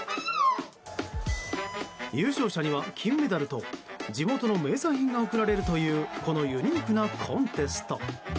優勝者には金メダルと地元の名産品が贈られるというこのユニークなコンテスト。